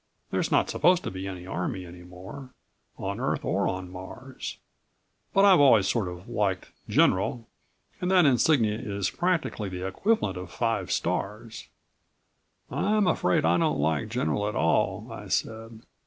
There's not supposed to be any army anymore on Earth or on Mars. But I've always sort of liked 'General' and that insignia is practically the equivalent of five stars." "I'm afraid I don't like 'General' at all," I said.